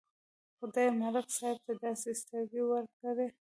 خدای ملک صاحب ته داسې سترګې ورکړې.